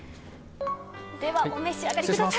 では、お召し上がりください。